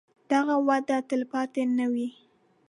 دغه وده تلپاتې نه وي.